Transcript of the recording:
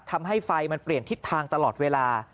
ทำให้ไฟมันเปลี่ยนทิศทางตลอดเวลา